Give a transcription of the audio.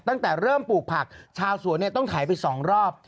ตั้งแต่เริ่มปลูกผักชาวสวนต้องไถไป๒รอบ